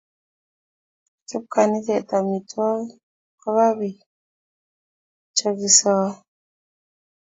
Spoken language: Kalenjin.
Kichop kaniset amitwokik kopa bik chokisai